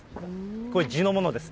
これ、地のものです。